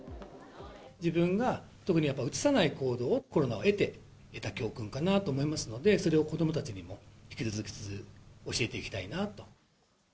自分が特にやっぱうつさない行動を、コロナを経て得た教訓かなと思いますので、それを子どもたちにも引き続き教えていきたいなと。